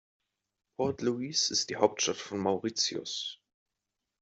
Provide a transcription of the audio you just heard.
Port Louis ist die Hauptstadt von Mauritius.